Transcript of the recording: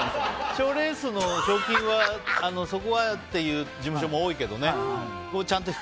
賞レースの賞金はそこはっていう事務所も多いけどね。